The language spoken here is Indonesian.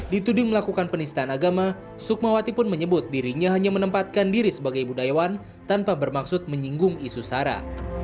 dituding melakukan penistaan agama sukmawati pun menyebut dirinya hanya menempatkan diri sebagai budayawan tanpa bermaksud menyinggung isu sara